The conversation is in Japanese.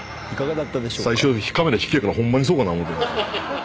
最初カメラ引きやからホンマにそうかな思うた。